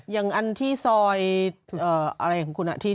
อย่างอันที่ซอยอะไรของคุณ